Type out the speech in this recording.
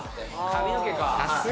髪の毛か。